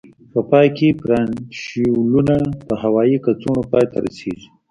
په پای کې برانشیولونه په هوایي کڅوړو پای ته رسيږي.